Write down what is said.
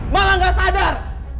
mama gak sadar